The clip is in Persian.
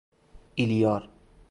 ایلیار